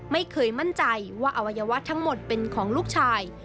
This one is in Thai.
ไม่เคยมั่นใจว่าอวัยวะทั้งหมดเป็นของลูกชาย